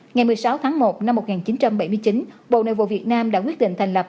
ngày một mươi sáu tháng một năm một nghìn chín trăm bảy mươi chín bộ nội vụ việt nam đã quyết định thành lập